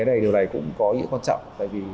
điều này cũng có ý nghĩa quan trọng